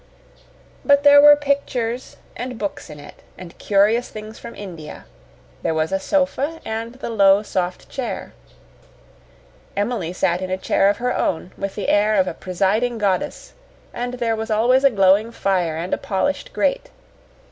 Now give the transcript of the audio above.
But there were pictures and books in it, and curious things from India; there was a sofa and the low, soft chair; Emily sat in a chair of her own, with the air of a presiding goddess, and there was always a glowing fire and a polished grate.